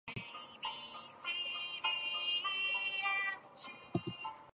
Louisville is home to many annual cultural events.